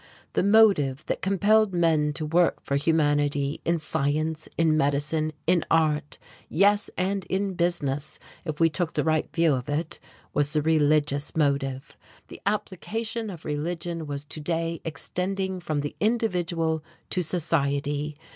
The motive that compelled men to work for humanity in science, in medicine, in art yes, and in business, if we took the right view of it, was the religious motive. The application of religion was to day extending from the individual to society.